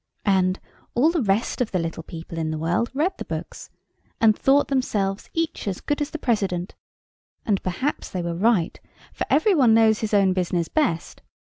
And, all the rest of the little people in the world read the books, and thought themselves each as good as the President; and perhaps they were right, for every one knows his own business best.